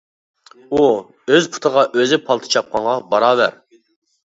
ئۇ ئۆز پۇتىغا ئۆزى پالتا چاپقانغا باراۋەر.